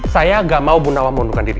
saya gak mau bu nawang mengundurkan diri